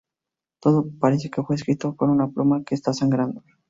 Todo parece que fue escrito con una pluma que está sangrando.